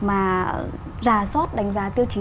mà rà sót đánh giá tiêu chí